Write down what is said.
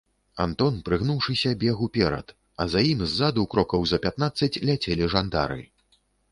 Антон, прыгнуўшыся, бег уперад, а за ім ззаду крокаў за пятнаццаць ляцелі жандары.